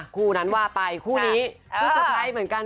คู่นั้นว่าไปคู่นี้คือสะพายเหมือนกัน